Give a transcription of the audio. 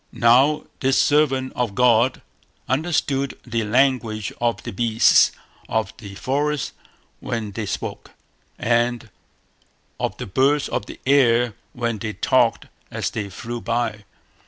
Now this servant of God understood the language of the beasts of the forest when they spoke, and of the birds of the air when they talked as they flew by.